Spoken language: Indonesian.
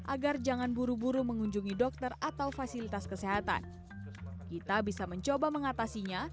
agar jangan buru buru mengunjungi dokter atau fasilitas kesehatan kita bisa mencoba mengatasinya